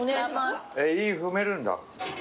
韻踏めるんだ。